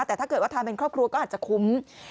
แต่ถ้าเกิดว่าทานเป็นครอบครัวก็อาจจะคุ้ม